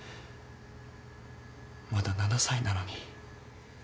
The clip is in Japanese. まだ７歳なのに。